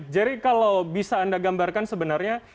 jadi kalau bisa anda gambarkan sebenarnya